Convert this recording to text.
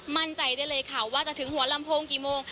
มั่นใจได้เลยค่ะว่าจะถึงหัวลำโพงกี่โมง